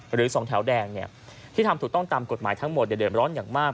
หรือสองแถวแดงที่ทำถูกต้องตามกฎหมายทั้งหมดเดือดร้อนอย่างมาก